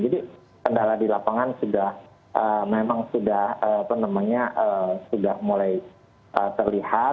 jadi kendala di lapangan memang sudah mulai terlihat